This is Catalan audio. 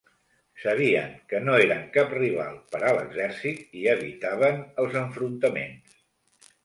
Sabien que no eren cap rival per a l'exèrcit i evitaven els enfrontaments.